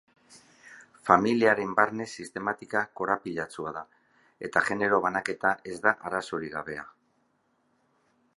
Familiaren barne-sistematika korapilatsua da, eta genero-banaketa ez da arazorik gabea.